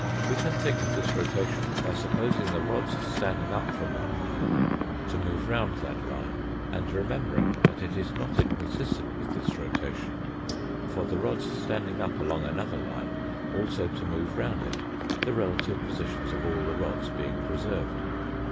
We can think of w* this rotation by supposing the rods standing up from one line to move round that line and remembering that it is not inconsistent with this rotation for the rods standing up along another line also to move round it, the relative positions of all the rods being preserved.